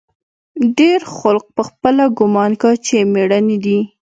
ډېر خلق پخپله ګومان کا چې مېړني دي.